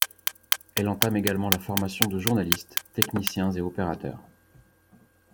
Elle entame également la formation de journalistes, techniciens et opérateurs.